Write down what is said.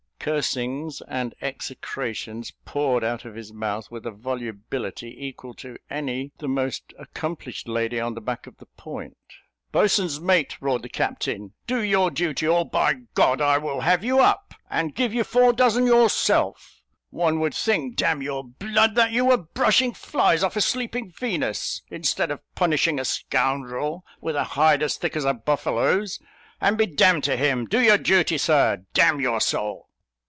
Cursings and execrations poured out of his mouth with a volubility equal to any the most accomplished lady on the back of the Point. "Boatswain's mate," roared the captain, "do your duty, or by G I will have you up, and give you four dozen yourself. One would think, d n your b d, that you were brushing flies off a sleeping Venus, instead of punishing a scoundrel, with a hide as thick as a buffalo's, and be d d to him do your duty, Sir, d n your soul."